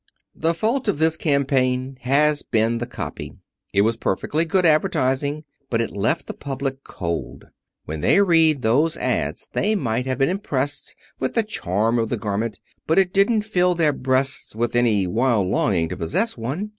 The fault of this campaign has been the copy. It was perfectly good advertising, but it left the public cold. When they read those ads they might have been impressed with the charm of the garment, but it didn't fill their breasts with any wild longing to possess one.